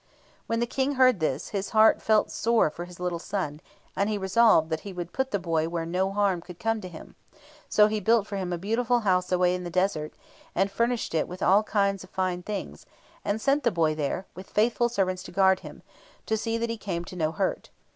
When the King heard this, his heart was sore for his little son, and he resolved that he would put the boy where no harm could come to him; so he built for him a beautiful house away in the desert, and furnished it with all kinds of fine things, and sent the boy there, with faithful servants to guard him, and to see that he came to no hurt.